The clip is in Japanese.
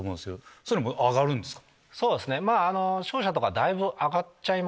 そういうのも上がるんですか？